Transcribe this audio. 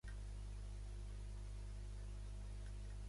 Ens van posar contra Mickey Mouse, no va importar, els vam guanyar.